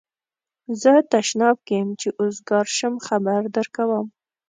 زه تشناب کی یم چی اوزګار شم خبر درکوم